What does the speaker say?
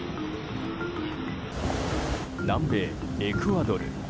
南米エクアドル。